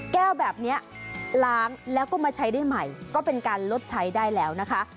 แก้วแบบนี้ล้างแล้วก็มาใช้ได้ใหม่ก็เป็นการลดใช้ได้แล้วนะคะ